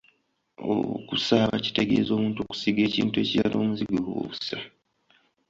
Okusaaba kitegeeza “omuntu okusiiga ekintu ekirala omuzigo oba obusa”.